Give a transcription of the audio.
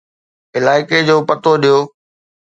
علائقي جو پتو ڏيو